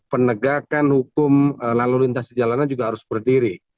penegakan hukum lalu lintas di jalanan juga harus berdiri